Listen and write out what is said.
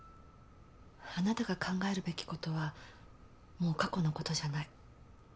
あなたが考えるべきことはもう過去のことじゃない。